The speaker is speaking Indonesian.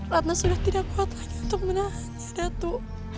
radna sudah tidak kuat lagi untuk menahannya datu